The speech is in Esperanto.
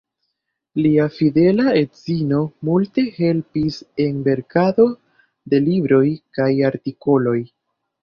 Lia fidela edzino multe helpis en verkado de libroj kaj artikoloj.